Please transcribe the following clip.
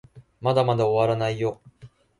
まだまだ終わらないよ